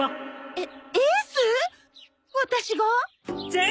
えっ。